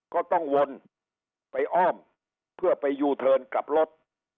ก็ต้องวนไปอ้อมเพื่อไปยูเทิร์นกลับรถ